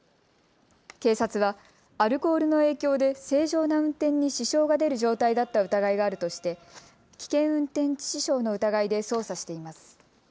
警察はアルコールの影響で正常な運転に支障が出る状態だった疑いがあるとして危険運転致死傷の疑いで捜査しています。